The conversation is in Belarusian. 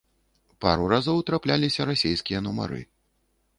Пару разоў трапляліся расейскія нумары.